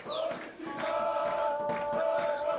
ژوندپوهنه د کرنې په وده کي لوی بدلون راوستی دی.